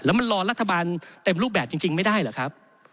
มันรอรัฐบาลเต็มรูปแบบจริงไม่ได้เหรอครับ